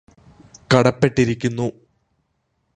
കടപ്പെട്ടിരിക്കുന്നു